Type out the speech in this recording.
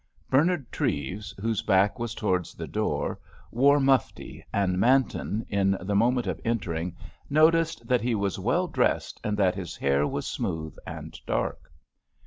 Bernard Treves, whose back was towards the door, wore mufti, and Manton, in the moment of entering, noticed that he was well dressed and that his hair was smooth and dark.